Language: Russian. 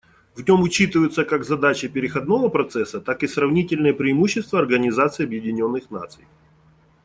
В нем учитываются как задачи переходного процесса, так и сравнительные преимущества Организации Объединенных Наций.